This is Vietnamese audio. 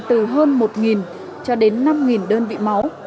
từ hơn một cho đến năm đơn vị máu